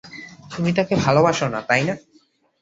তুমি তাকে ভালোবাসো না, তাই না?